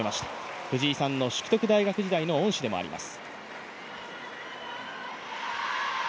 藤井さんの淑徳大学時代の恩師でもあります。